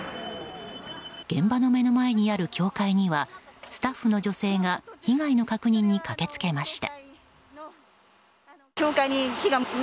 現場の目の前にある教会にはスタッフの女性が被害の確認に駆けつけました。